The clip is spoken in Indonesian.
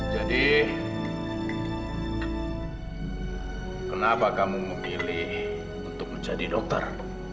jadi kenapa kamu memilih untuk menjadi dokter